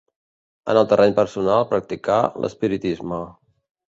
En el terreny personal practicà l'espiritisme.